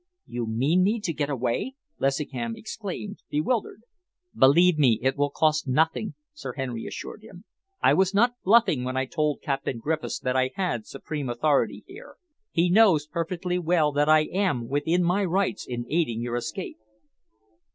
"You mean me to get away?" Lessingham exclaimed, bewildered. "Believe me, it will cost nothing," Sir Henry assured him. "I was not bluffing when I told Captain Griffiths that I had supreme authority here. He knows perfectly well that I am within my rights in aiding your escape."